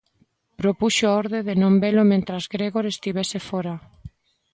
Propuxo a orde de non velo mentres Gregor estivese fóra.